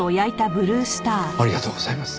おっありがとうございます。